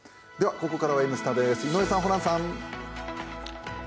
ここからは「Ｎスタ」です、井上さん、ホランさん。